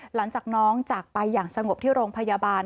หลังจากน้องจากไปอย่างสงบที่โรงพยาบาล